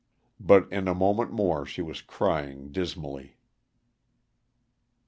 But in a moment more she was crying dismally.